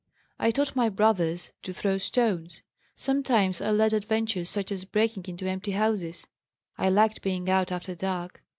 I taught my brothers; to throw stones. Sometimes I led adventures such as breaking into empty houses. I liked being out after dark.